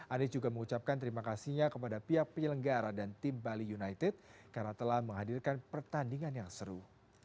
anies juga mengucapkan terima kasihnya kepada pihak penyelenggara dan tim bali united karena telah menghadirkan pertandingan yang seru